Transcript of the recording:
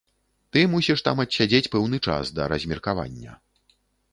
Ты мусіш там адсядзець пэўны час, да размеркавання.